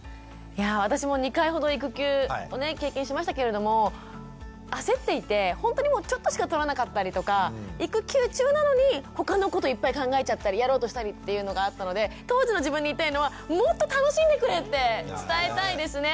私も２回ほど育休をね経験しましたけれども焦っていてほんとにもうちょっとしか取らなかったりとか育休中なのに他のこといっぱい考えちゃったりやろうとしたりっていうのがあったので当時の自分に言いたいのはもっと楽しんでくれって伝えたいですね。